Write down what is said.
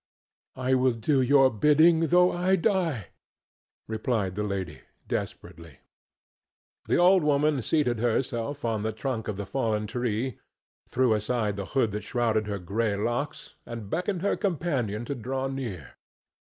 "I will do your bidding though I die," replied the lady, desperately. The old woman seated herself on the trunk of the fallen tree, threw aside the hood that shrouded her gray locks and beckoned her companion to draw near.